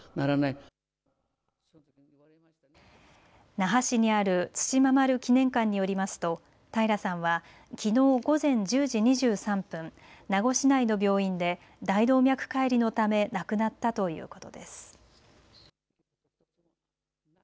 那覇市にある対馬丸記念館によりますと平良さんはきのう午前１０時２３分、名護市内の病院で大動脈解離のため亡くなったということです。